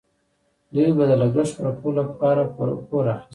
دوی به د لګښت پوره کولو لپاره پور اخیست.